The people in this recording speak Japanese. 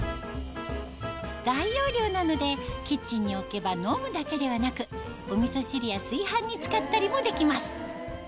大容量なのでキッチンに置けば飲むだけではなくおみそ汁や炊飯に使ったりもできます